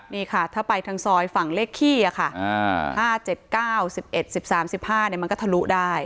นี่ค่ะถ้าไปทางซอยฝั่งเลขขี้ค่ะ๕๗๙๑๑๑๓๑๕มันก็ทะลุได้